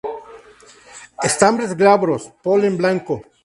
Estambres glabros, polen blanco.